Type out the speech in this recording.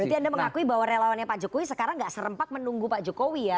berarti anda mengakui bahwa relawannya pak jokowi sekarang gak serempak menunggu pak jokowi ya